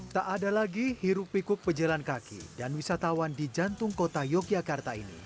tak ada lagi hiruk pikuk pejalan kaki dan wisatawan di jantung kota yogyakarta ini